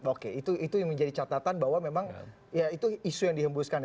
oke itu yang menjadi catatan bahwa memang ya itu isu yang dihembuskan ya